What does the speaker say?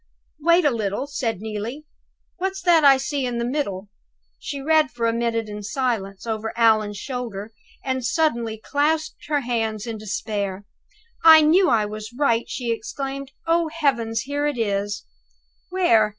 "Wait a little," said Neelie; "what's that I see in the middle?" She read for a minute in silence, over Allan's shoulder, and suddenly clasped her hands in despair. "I knew I was right!" she exclaimed. "Oh, heavens, here it is!" "Where?"